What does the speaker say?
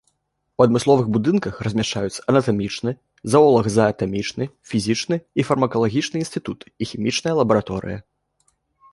У адмысловых будынках размяшчаюцца анатамічны, заолага-заатамічны, фізічны і фармакалагічны інстытуты і хімічная лабараторыя.